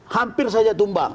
hampir saja tumbang